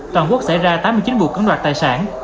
toàn quốc xảy ra tám mươi chín vụ cưỡng đoạt tài sản